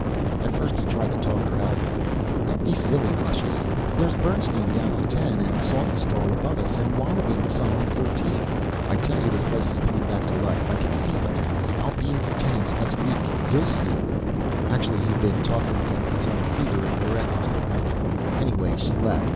At first he tried to talk her out of it. "Don't be silly, luscious! There's Bernstein, down on ten, and Saltonstall above us, and Wallaby and Son on fourteen, I tell you, this place is coming back to life, I can feel it! I'll beam for tenants next week, you'll see " Actually he'd been talking against his own fear and Lorette must have known it. Anyway, she left.